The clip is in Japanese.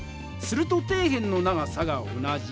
すると底辺の長さが同じ。